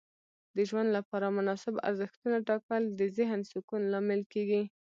د ژوند لپاره مناسب ارزښتونه ټاکل د ذهن سکون لامل کیږي.